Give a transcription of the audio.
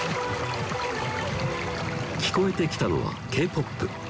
聞こえてきたのはＫ−ＰＯＰ